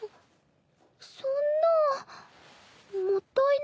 そんなぁもったいないよ。